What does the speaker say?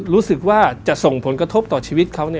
รู้สึกว่าจะส่งผลกระทบต่อชีวิตเขา